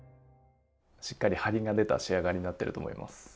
しっかりハリが出た仕上がりになってると思います。